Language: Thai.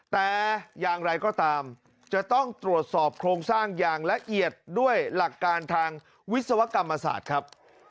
แต่อย่างไรก็ตามจะต้องตรวจสอบโครงสร้างอย่างละเอียดด้วยหลักการทางวิศวกรรมศาสตร์ครับ